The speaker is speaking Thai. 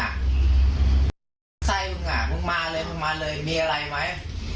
ใครมึงอ่ะมึงมาเลยมึงมาเลยมีอะไรไหม